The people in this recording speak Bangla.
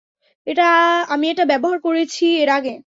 আমি এটা ব্যবহার করেছি এর আগে।